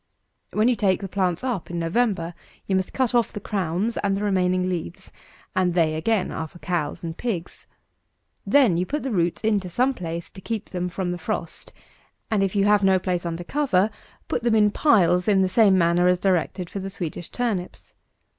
256. When you take the plants up in November, you must cut off the crowns and the remaining leaves; and they, again, are for cows and pigs. Then you put the roots into some place to keep them from the frost; and, if you have no place under cover, put them in pies, in the same manner as directed for the Swedish turnips.